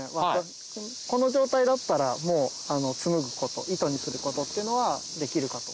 この状態だったら紡ぐこと糸にすることっていうのはできるかと。